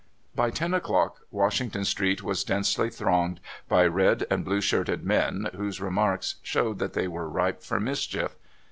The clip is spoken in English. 9 By ten o'clock Washington Street was densely thronged by red and blue shirted men, whose re marks showed that they were ripe for mischief.